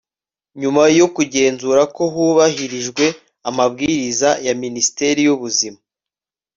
nyuma yo kugenzura ko hubahirijwe amabwiriza ya minisiteri y'ubuzima